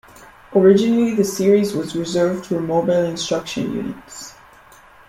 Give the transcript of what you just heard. Originally the series was reserved for Mobile Instruction units.